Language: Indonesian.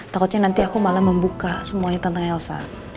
takutnya nanti aku malah membuka semuanya tentang elsa